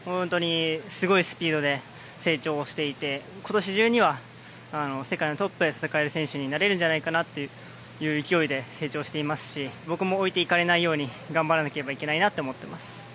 すごいスピードで成長していて今年中には世界のトップで戦える選手になれるんじゃないかなという勢いで成長していますし僕も置いて行かれないように頑張らなければいけないなと思います。